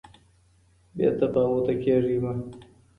بې تفاوته مه اوسئ.